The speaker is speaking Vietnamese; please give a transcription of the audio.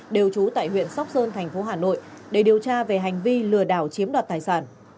đều trú tại huyện sóc sơn thành phố hà nội để điều tra về hành vi lừa đảo chiếm đoạt tài sản